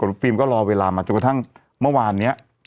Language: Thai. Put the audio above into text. ว่าเวลาจนกระทั่งเมื่อวานนะครับ